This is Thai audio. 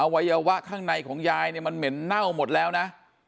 วัยวะข้างในของยายเนี่ยมันเหม็นเน่าหมดแล้วนะ